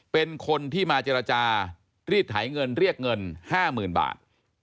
เป็นคนที่มาเจรจารีดไถเงินเรียกเงิน๕๐๐๐บาท